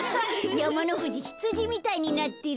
やまのふじひつじみたいになってる。